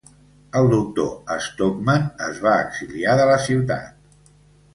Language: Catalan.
El doctor Stockmann es va exiliar de la ciutat.